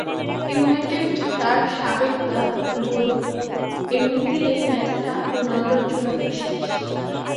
United তাঁর সাবেক club বলে এমনিতেই এই ম্যাচটা রোনালদোর জন্য বিশেষ।